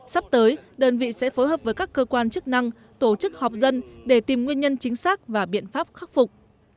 sắp tới đơn vị sẽ phối hợp với các cơ quan chức năng tổ chức họp dân để tìm nguyên nhân chính xác và biện pháp khắc phục